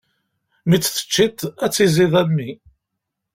Mi tt-teččiḍ, ad tt-iẓid a mmi.